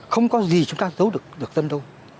không có gì chúng ta giấu được dân đâu